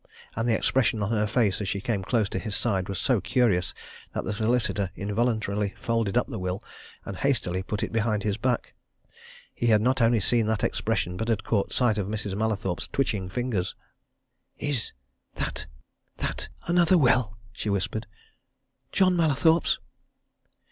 And the expression of her face as she came close to his side was so curious that the solicitor involuntarily folded up the will and hastily put it behind his back he had not only seen that expression but had caught sight of Mrs. Mallathorpe's twitching fingers. "Is that that another will?" she whispered. "John Mallathorpe's?"